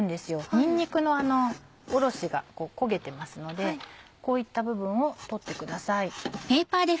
にんにくのおろしが焦げてますのでこういった部分を取ってください。